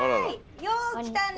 よう来たね！